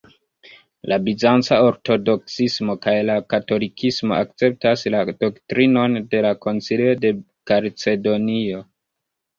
La bizanca ortodoksismo kaj la katolikismo akceptas la doktrinon de la Koncilio de Kalcedonio.